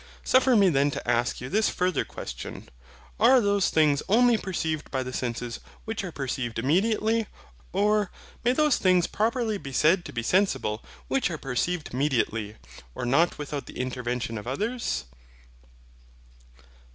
Suffer me then to ask you this farther question. Are those things only perceived by the senses which are perceived immediately? Or, may those things properly be said to be SENSIBLE which are perceived mediately, or not without the intervention of others?